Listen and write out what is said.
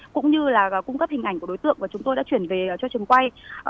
cũng như là cung cấp hình ảnh của đối tượng và chúng tôi đã chuyển về cho trường quay